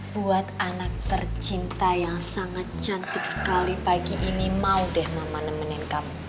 buat anak tercinta yang sangat cantik sekali pagi ini mau deh neman nemenin kamu